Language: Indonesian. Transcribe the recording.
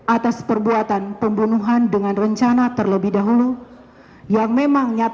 atas perbuatan pembunuhnya